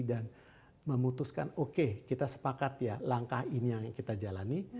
dan memutuskan oke kita sepakat ya langkah ini yang kita jalani